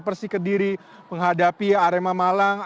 persik kediri menghadapi arema malang